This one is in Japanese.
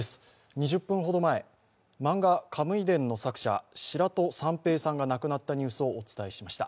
２０分ほど前漫画「カムイ伝」の作者白土三平さんが亡くなったニュースをお伝えしました